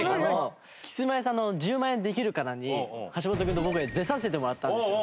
キスマイさんの『１０万円でできるかな』に橋本君と僕ででさせてもらったんですよ。